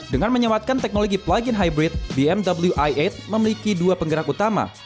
dengan menyematkan teknologi plug in hybrid bmw i delapan memiliki dua penggerak utama